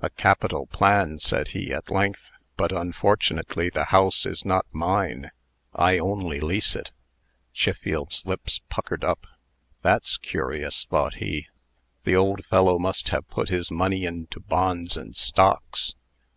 "A capital plan," said he, at length; "but, unfortunately, the house is not mine. I only lease it." Chiffield's lips puckered up. "That's curious," thought he. "The old fellow must have put his money into bonds and stocks.